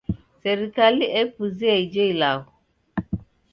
Serikali epuzia ijo ilagho.